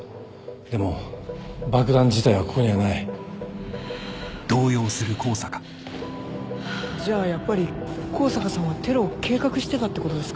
でも爆弾自体はここにはないじゃあやっぱり香坂さんはテロを計画してたってことですか？